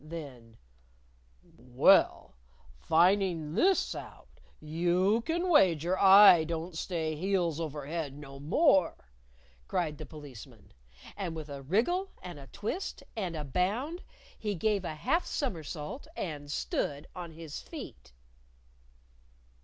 Then, "Well, finding this out, you can wager I don't stay heels over head no more!" cried the Policeman. And with a wriggle and a twist and a bound, he gave a half somersault and stood on his feet!